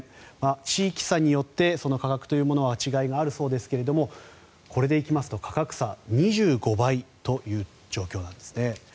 地域差によって、その価格には違いがあるそうですがこれで行きますと価格差は２５倍という状況なんです。